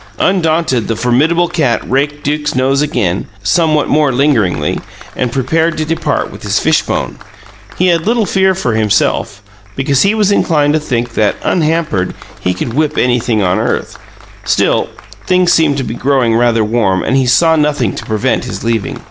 Undaunted, the formidable cat raked Duke's nose again, somewhat more lingeringly, and prepared to depart with his fishbone. He had little fear for himself, because he was inclined to think that, unhampered, he could whip anything on earth; still, things seemed to be growing rather warm and he saw nothing to prevent his leaving.